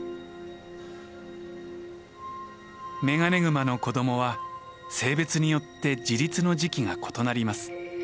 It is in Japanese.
メガネグマの子どもは性別によって自立の時期が異なります。